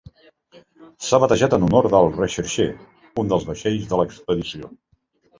S'ha batejat en honor del "Recherche", un dels vaixells de l'expedició.